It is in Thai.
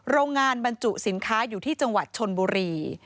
โรงงานบรรจุสินค้าอยู่ที่จังหวัดชนบุรี